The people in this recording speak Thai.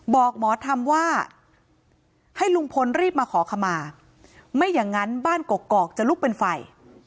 บอกหมอธรรมว่าให้ลุงพลรีบมาขอขมาไม่อย่างนั้นบ้านกกอกจะลุกเป็นไฟ